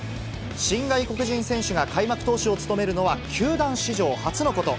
新外国人選手が開幕投手を務めるのは、球団史上初のこと。